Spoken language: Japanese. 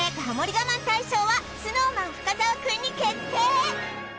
我慢大賞はＳｎｏｗＭａｎ深澤くんに決定